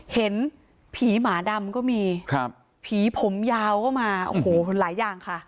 เห็นผีหมาดำก็มีครับผีผมยาวก็มาโอ้โหหลายอย่างค่ะ